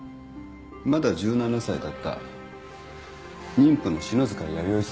まだ１７歳だった妊婦の篠塚弥生さん。